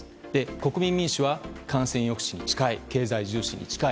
国民民主は、感染抑止に近い経済重視に近い。